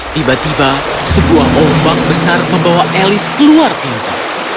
tiba tiba sebuah ombak besar membawa elis keluar pintu